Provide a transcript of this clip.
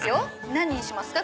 何にしますか？